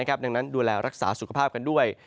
ดังนั้นดูแลรักษาสุขภาพกันด้วย